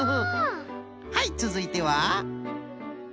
はいつづいては。